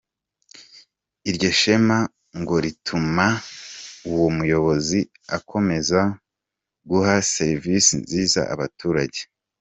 Iryo shema ngo rituma uwo muyobozi akomeza guha serivisi nziza abaturage.